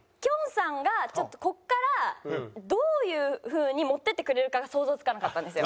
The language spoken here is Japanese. さんがここからどういうふうに持ってってくれるかが想像つかなかったんですよ。